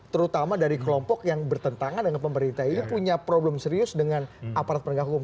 terutama dari kelompok yang bertentangan dengan pemerintah ini punya problem serius dengan aparat penegak hukum